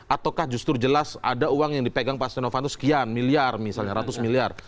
ataukah justru jelas ada uang yang dipegang pak setia novanto sekian miliar misalnya ratus miliar